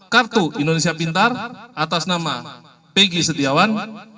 kartu indonesia pintar atas nama pg setiawan